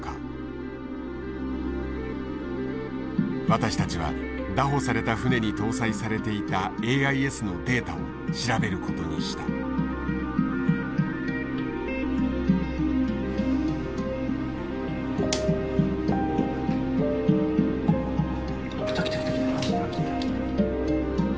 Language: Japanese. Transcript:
私たちは拿捕された船に搭載されていたＡＩＳのデータを調べることにした。来た来た来た来た。